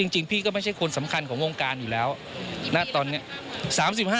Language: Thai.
จริงพี่ก็ไม่ใช่คนสำคัญของวงการอยู่แล้วณตอนนี้